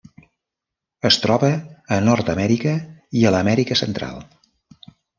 Es troba a Nord-amèrica i a l'Amèrica Central.